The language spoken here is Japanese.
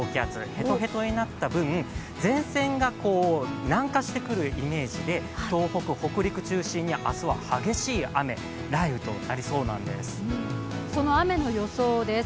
へとへとになった分、前線が南下してくるイメージで東北・北陸中心に、明日は激しい雨、その雨の予想です。